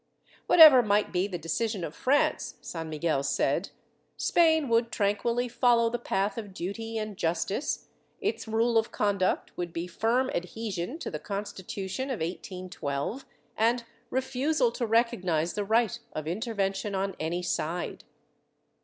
Whatever might be the decision of France, San Miguel said, Spain would tranquilly follow the path of duty and justice; its rule of conduct would be firm adhesion to the Constitution of 1812 and refusal to recognize the right of intei*vention on any side.